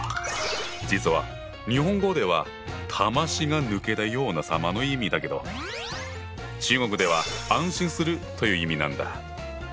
実は日本語では魂が抜けたような様の意味だけど中国では「安心する」という意味なんだ。